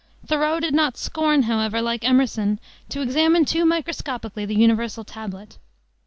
Thoreau did not scorn, however, like Emerson, to "examine too microscopically the universal tablet."